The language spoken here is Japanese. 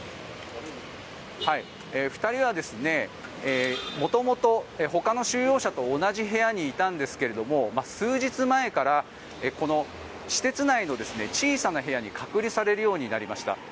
２人は元々、ほかの収容者と同じ部屋にいたんですが数日前からこの施設内の小さな部屋に隔離されるようになりました。